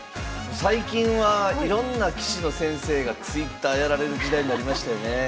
最近はいろんな棋士の先生がＴｗｉｔｔｅｒやられる時代になりましたよね。